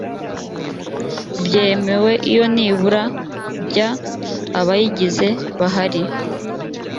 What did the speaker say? bwemewe iyo nibura bya abayigize bahari